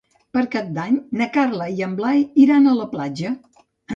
Per Cap d'Any na Carla i en Blai iran a la platja.